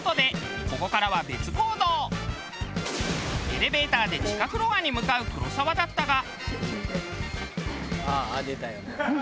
エレベーターで地下フロアに向かう黒沢だったが。